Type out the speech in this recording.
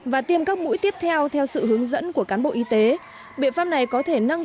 và tiêm các mũi tiếp theo theo sự hướng dẫn của cán bộ y tế biện pháp này có thể nâng